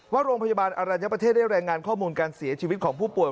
โรงพยาบาลอรัญญประเทศได้รายงานข้อมูลการเสียชีวิตของผู้ป่วย